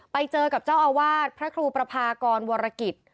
ไปเจอกับเจ้าอาวาสพระครูประพากรวรกิจ